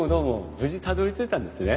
無事たどりついたんですね。